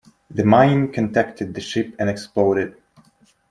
The mine contacted the ship and exploded.